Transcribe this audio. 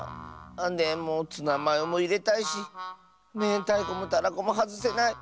でもツナマヨもいれたいしめんたいこもたらこもはずせない。